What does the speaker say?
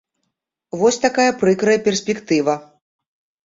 Вось такая прыкрая перспектыва.